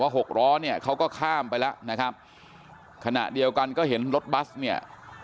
หกล้อเนี่ยเขาก็ข้ามไปแล้วนะครับขณะเดียวกันก็เห็นรถบัสเนี่ย